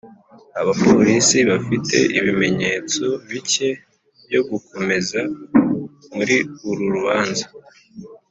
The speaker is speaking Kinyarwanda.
[abapolisi bafite ibimenyetso bike byo gukomeza muri uru rubanza.